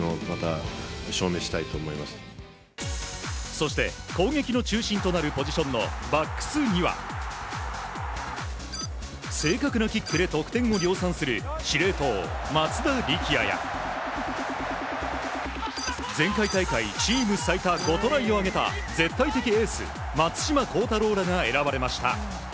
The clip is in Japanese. そして、攻撃の中心となるポジションのバックスには正確なキックで得点を量産する司令塔、松田力也や前回大会チーム最多５トライを挙げた絶対的エース松島幸太朗らが選ばれました。